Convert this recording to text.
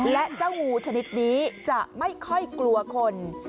และเจ้างูชนิดนี้จะไม่ค่อยกลัวคน